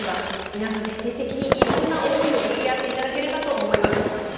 皆さん、徹底的にいろんな思いをぶつけ合っていただければと思います。